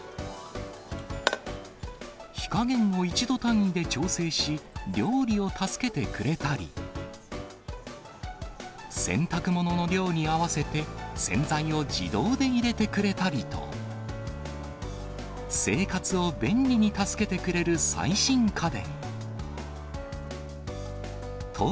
火加減を１度単位で調整し、料理を助けてくれたり、洗濯物の量に合わせて、洗剤を自動で入れてくれたりと、生活を便利に助けてくれる最新家電。